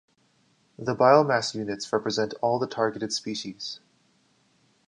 The biomass units represent all the targeted species.